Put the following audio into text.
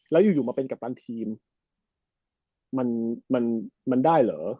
แล้วอยู่มาเป็นกัปตันทีมมันมันได้เหรอ